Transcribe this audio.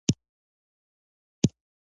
وسله د سولې پروړاندې خنډ ده